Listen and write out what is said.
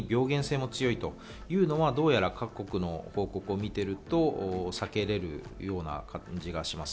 オミクロンが感染性も強くてさらに病原性も強いというのはどうやら各国の報告を見ていると避けられるような感じがします。